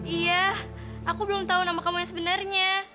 iya aku belum tahu nama kamu yang sebenarnya